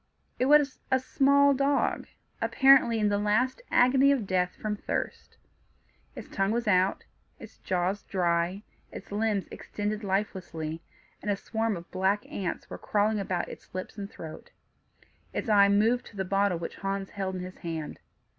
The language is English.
It was a small dog, apparently in the last agony of death from thirst. Its tongue was out, its jaws dry, its limbs extended lifelessly, and a swarm of black ants were crawling about its lips and throat. Its eye moved to the bottle which Hans held in his hand.